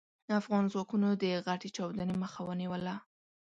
افغان ځواکونو د غټې چاودنې مخه ونيوله.